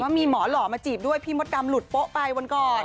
มีหมอหล่อมาจีบด้วยพี่มดดำหลุดโป๊ะไปวันก่อน